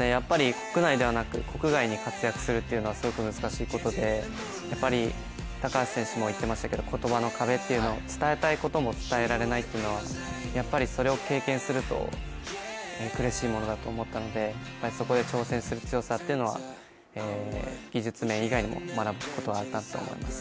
やっぱり国内ではなく国外で活躍するってことはすごく難しいことで、やっぱり高橋選手も言っていましたけれども言葉の壁というもの、伝えたいことも伝えられないというのはやっぱり、それを経験すると苦しいものだと思ったのでそこで挑戦する強さっていうのは技術面以外にも学ぶことがあるなと思います。